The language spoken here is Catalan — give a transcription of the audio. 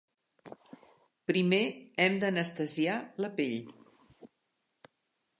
Primer hem d'anestesiar la pell.